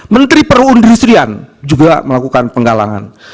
menteri perundi istrian juga melakukan penggalangan